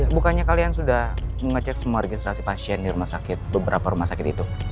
bukannya kalian sudah mengecek semua organisasi pasien di rumah sakit beberapa rumah sakit itu